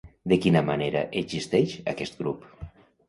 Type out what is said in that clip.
De quina manera existeix aquest grup?